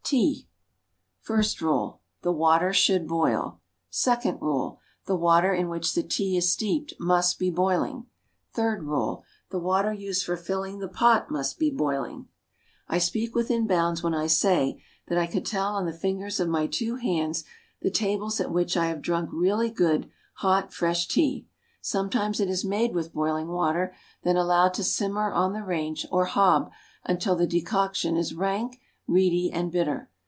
Tea. FIRST RULE. The water should boil. SECOND RULE. The water in which the tea is steeped, must be boiling. THIRD RULE. The water used for filling the pot must be boiling. I speak within bounds when I say that I could tell on the fingers of my two hands the tables at which I have drunk really good, hot, fresh tea. Sometimes it is made with boiling water, then allowed to simmer on the range or hob until the decoction is rank, reedy and bitter.